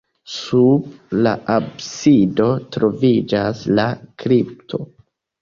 Sub la absido troviĝas la kripto.